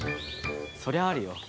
そりゃあるよ。